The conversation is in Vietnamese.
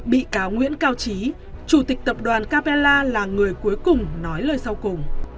bị cáo nguyễn cao trí chủ tịch tập đoàn capella là người cuối cùng nói lời sau cùng